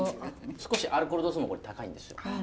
少しアルコール度数もこれ高いんですよ。